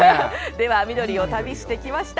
では緑を旅してきました。